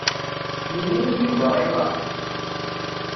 Yenna-yam Yuba ayɣer?